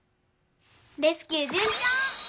レスキューじゅんちょう！